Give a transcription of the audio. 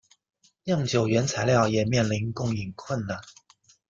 酿酒原材料也面临供应困难。